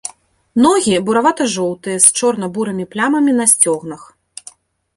Ногі буравата-жоўтыя, з чорна-бурымі плямамі на сцёгнах.